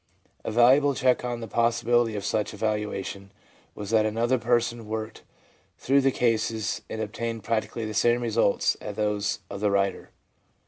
A valuable check on the possibility of such evaluation was that another person worked through the cases and obtained practically the same results as those of the writer.